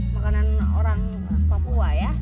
makanan orang papua ya